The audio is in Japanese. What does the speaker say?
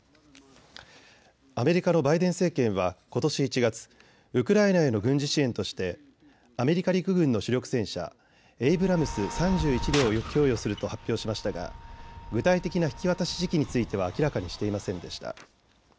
アメリカのバイデン政権はことし１月、ウクライナへの軍事支援としてアメリカ陸軍の主力戦車エイブラムス３１両を供与すると発表しましたが具体的な引き渡し時期については明らかにしていませんでした。